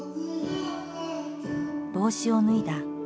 帽子を脱いだ。